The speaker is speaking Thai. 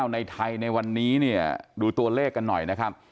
ในไทยในวันนี้ดูตัวเลขคันหน่อย